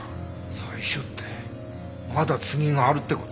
最初ってまだ次があるって事？